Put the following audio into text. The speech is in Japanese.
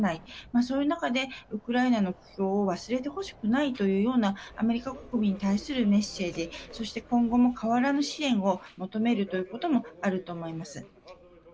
そういう中で、ウクライナの苦境を忘れてほしいというような、アメリカ国民に対するメッセージ、そして今後も変わらぬ支援を求めるということもあると思います。